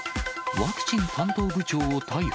ワクチン担当部長を逮捕。